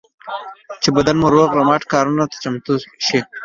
چې بدن مو روغ رمټ او کارونو ته چمتو شي.